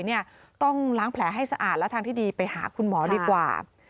เนี่ยต้องล้างแผลให้สะอาดและทางที่ดีไปหาคุณหมอดีกว่า